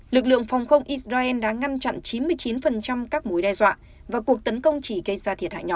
lực lượng phòng không israel đã ngăn chặn chín mươi chín các mối đe dọa và cuộc tấn công chỉ gây ra thiệt hại nhỏ